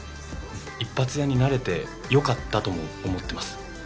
一発屋になれてよかったとも思ってます